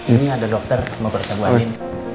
ini ada dokter mau persebarin